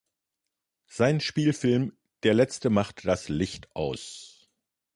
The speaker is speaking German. Sein Spielfilm "Der Letzte macht das Licht aus!